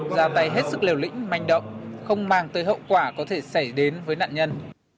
ra tay hết sức liều lĩnh manh động không mang tới hậu quả có thể xảy đến với nạn nhân